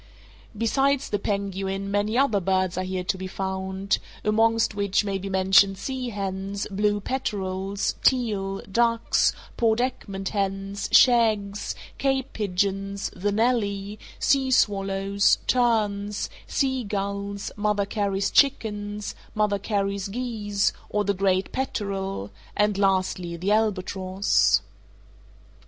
Besides the penguin many other birds are here to be found, among which may be mentioned sea hens, blue peterels, teal, ducks, Port Egmont hens, shags, Cape pigeons, the nelly, sea swallows, terns, sea gulls, Mother Carey's chickens, Mother Carey's geese, or the great peterel, and, lastly, the albatross.